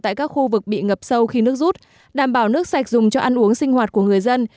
tại các khu vực bị ngập sâu khi nước rút đảm bảo nước sạch dùng cho ăn uống sinh hoạt của người dân